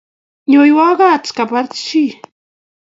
nyoiwakat kabar chi